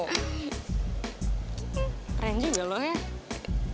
keren juga loh ya